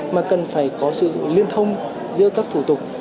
mà cần phải có sự liên thông giữa các thủ tục